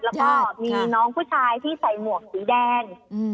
แล้วก็มีน้องผู้ชายที่ใส่หมวกสีแดง